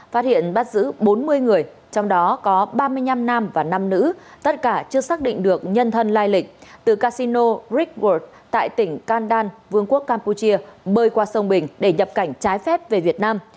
phát hiện bắt giữ bốn mươi người trong đó có ba mươi năm nam và năm nữ tất cả chưa xác định được nhân thân lai lịch từ casino ricker tại tỉnh kandan vương quốc campuchia bơi qua sông bình để nhập cảnh trái phép về việt nam